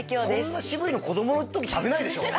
こんな渋いの子供の時食べないでしょ